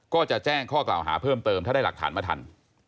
ก็จะแจ้งข้อกล่าวหาเพิ่มเติมถ้าได้หลักฐานมาทัน